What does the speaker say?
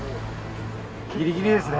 ギリギリですね。